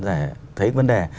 để thấy vấn đề